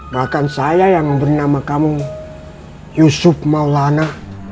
bahkan saya yang bernama kamu yusuf maulana